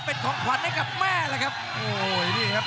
เป็นของขวัญให้กับแม่แล้วครับโอ้ยนี่ครับ